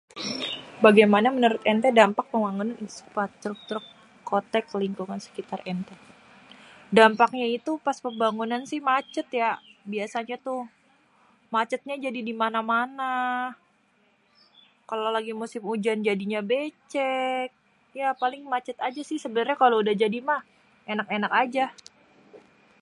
Dampaknyé itu pas pembangunan si macet ya biasanya tuh, macetnya jadi dimana-mana. Kalo musim ujan jadinya becek ya paling macet aja si sebenernya kalo udah jadi mah enak-enak aja.